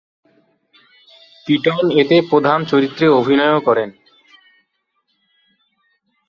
Ketone এতে প্রধান চরিত্রে অভিনয়ও করেন।